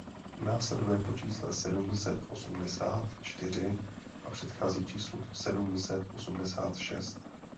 Následuje po čísle sedm set osmdesát čtyři a předchází číslu sedm set osmdesát šest.